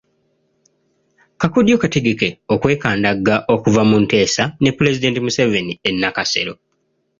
Kakodyo Kategeke okwekandagga okuva mu nteesa ne Pulezidenti Museveni e Nakasero